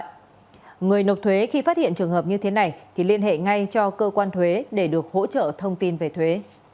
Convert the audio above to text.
người nộp thuế khi phát hiện trường hợp như thế này thì liên hệ ngay cho cơ quan thuế để được hỗ trợ thông tin về thuế